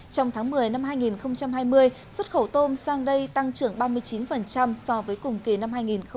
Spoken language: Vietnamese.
trong tháng một mươi năm hai nghìn hai mươi xuất khẩu tôm sang đây tăng trưởng ba mươi chín so với cùng kỳ năm hai nghìn một mươi chín